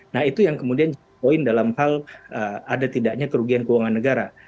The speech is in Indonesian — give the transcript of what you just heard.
nah itu yang kemudian jadi poin dalam hal ada tidaknya kerugian keuangan negara